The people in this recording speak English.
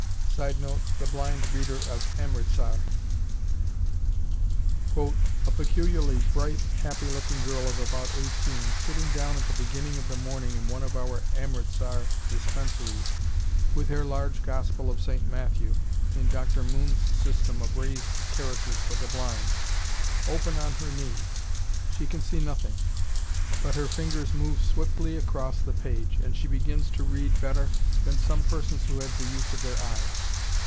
[Sidenote: The blind reader of Amritsar.] "A peculiarly bright, happy looking girl of about eighteen, sitting down at the beginning of the morning in one of our Amritsar dispensaries, with her large Gospel of St. Matthew, in Dr. Moon's system of raised characters for the blind, open on her knees; she can see nothing, but her fingers move swiftly across the page, and she begins to read better than some persons who have the use of their eyes!